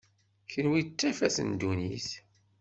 Kenwi d tafat n ddunit.